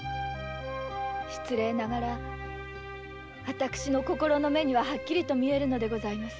私の心の目にははっきり見えるのでございます。